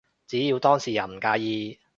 只要當事人唔介意